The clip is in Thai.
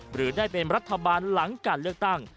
หรือได้เป็นรัฐบาลหลังการเลือกตั้ง